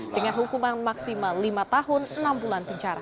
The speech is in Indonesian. dengan hukuman maksimal lima tahun enam bulan penjara